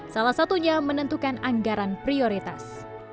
salah satunya menentukan anggaran prioritas